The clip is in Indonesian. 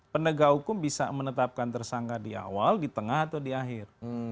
penegak hukum bisa menetapkan tersangka di awal di tengah atau di akhir